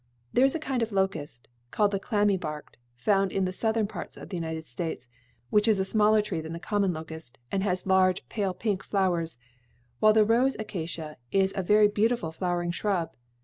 There is a kind of locust, called the clammy barked, found in the Southern parts of the United States, which is a smaller tree than the common locust and has large pale pink flowers, while the rose acacia is a very beautiful flowering shrub.